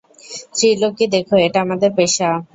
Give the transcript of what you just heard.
ত্রিলোকি দেখো, এটা আমাদের পেশা।